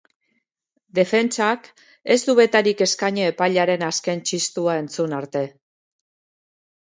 Defentsak ez du betarik eskaini epailearen azken txistua entzun arte.